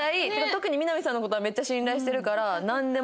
特にみな実さんの事はめっちゃ信頼してるから。